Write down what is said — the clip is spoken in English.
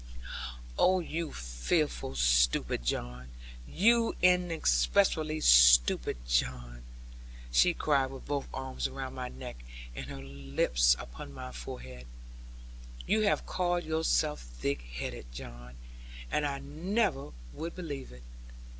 'Oh, you fearful stupid, John, you inexpressibly stupid, John,' she cried with both arms round my neck, and her lips upon my forehead; 'you have called yourself thick headed, John, and I never would believe it.